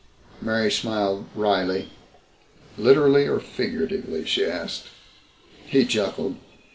Mary smiled wryly. "Literally or figuratively?" she asked. He chuckled.